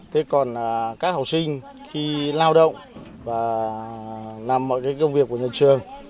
thế còn các học sinh khi lao động và làm mọi công việc của nhà trường